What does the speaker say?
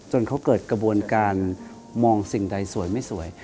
เขาเกิดกระบวนการมองสิ่งใดสวยไม่สวย